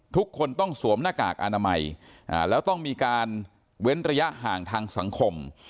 ทุกคนต้องสวมหน้ากากอนามัยแล้วต้องมีการเว้นระยะห่างทางสังคม